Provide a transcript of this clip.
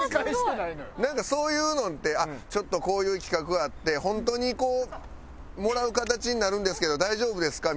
なんかそういうのって「ちょっとこういう企画があって本当にこうもらう形になるんですけど大丈夫ですか？」